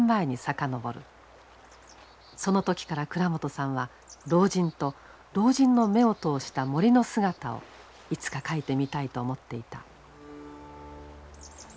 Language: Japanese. その時から倉本さんは老人と老人の目を通した森の姿をいつか書いてみたいと思っていた。